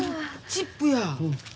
チップや。